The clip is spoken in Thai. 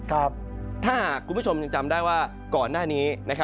ถ้าหากคุณผู้ชมยังจำได้ว่าก่อนหน้านี้